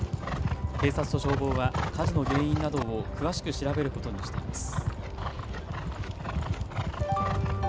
警察と消防は火事の原因などを詳しく調べることにしています。